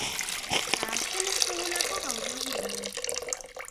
Ahazten ez dugulako gaude gu hemen.